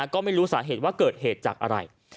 ก็ไม่รู้สาเหตุว่าเกิดเหตุจากอะไร